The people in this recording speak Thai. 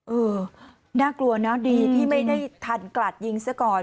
เออน่ากลัวนะดีที่ไม่ได้ทันกลัดยิงซะก่อน